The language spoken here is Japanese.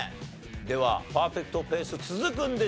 ではパーフェクトペース続くんでしょうか？